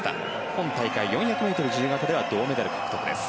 今大会４００ｍ自由形では銅メダルを獲得です。